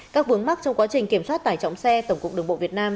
các vướng mắc trong quá trình kiểm soát tải trọng xe tổng cục đường bộ việt nam